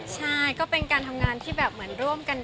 ใช่ก็เป็นการทำงานที่แบบเหมือนร่วมกัน